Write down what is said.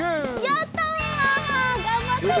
やった！